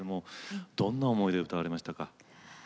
どんな思いで歌われましたか。